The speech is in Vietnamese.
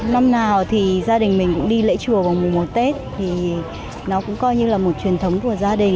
năm nào thì gia đình mình cũng đi lễ chùa vào mùa một tết thì nó cũng coi như là một truyền thống của gia đình